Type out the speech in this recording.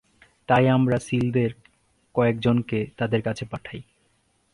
তাই আমরা সিলদের কয়েকজনকে তাদের কাছে পাঠাই।